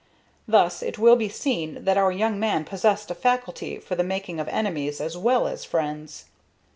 Thus it will be seen that our young man possessed a facility for the making of enemies as well as friends.